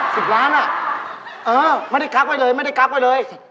สิบล้านอ่ะเออไม่ได้กักไว้เลยไม่ได้กักไว้เลย